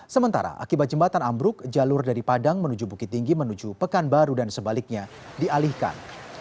sementara akibat jembatan ambruk jalur dari padang menuju bukit tinggi menuju pekanbaru dan sebaliknya dialihkan